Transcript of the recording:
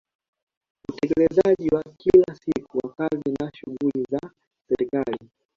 Utekelezaji wa kila siku wa kazi na shughuli za Serikali